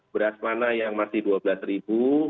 beras mana yang masih rp dua belas ribu